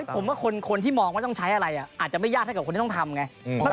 ผมว่าคนที่มองว่าต้องใช้อะไรอาจจะไม่ยากเท่ากับคนที่ต้องทำไง